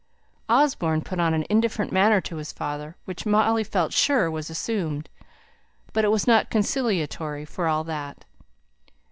Osborne put on an indifferent manner to his father, which Molly felt sure was assumed; but it was not conciliatory for all that.